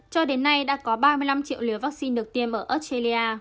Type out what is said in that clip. cho đến nay đã có ba mươi năm triệu liều vaccine được tiêm ở australia